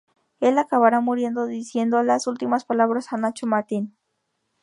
Él acabará muriendo diciendo las últimas palabras a Nacho Martín.